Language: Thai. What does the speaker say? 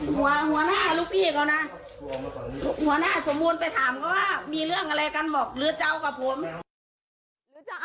หัวหน้าสมมุลไปถามเขาว่ามีเรื่องอะไรกันบอก